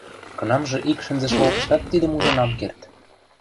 Кынамжы ик шӹнзӹшволкыштат тидӹм ужын ам керд.